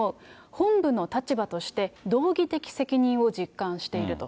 本部の立場として道義的責任を実感していると。